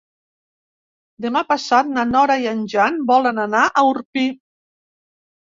Demà passat na Nora i en Jan volen anar a Orpí.